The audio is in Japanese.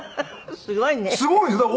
すごいね。